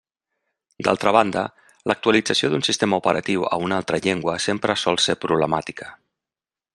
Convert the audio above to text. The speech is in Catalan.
D'altra banda, l'actualització d'un sistema operatiu a una altra llengua sempre sol ser problemàtica.